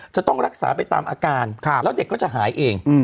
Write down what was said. จะต้องรักษาไปตามอาการแล้วเด็กก็จะหายเอง